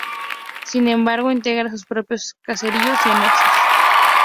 Sin embargo, integra sus propios caseríos y anexos.